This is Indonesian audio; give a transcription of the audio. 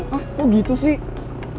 hah kok gitu sih